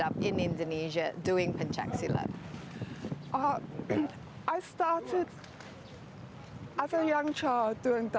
berapa jam sehari